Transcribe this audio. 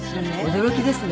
驚きですね。